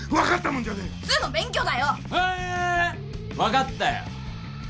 もう分かったよ！